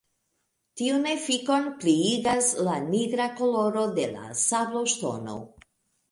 Tiun efikon pliigas la nigra koloro de la sabloŝtono.